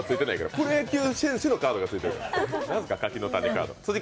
プロ野球選手のカードが付いてるから。